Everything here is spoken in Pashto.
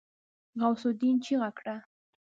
غوث االدين چيغه کړه.